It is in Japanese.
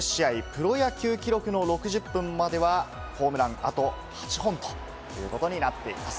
プロ野球記録の６０本まではホームランあと８本ということになっています。